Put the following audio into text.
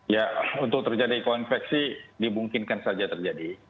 ya untuk terjadi koinfeksi dibungkinkan saja terjadi